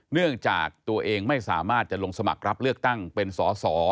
เนื่องจากตัวเองไม่สามารถจะลงสมัครรับเลือกตั้งเป็นสอสอ